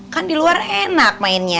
kan di luar enak mainnya